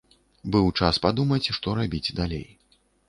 Быў час падумаць, што рабіць далей.